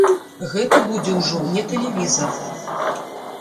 Гэта будзе ўжо не тэлевізар.